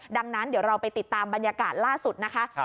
ดังนั้นเดี๋ยวเราไปติดตามบรรยากาศล่าสุดนะคะ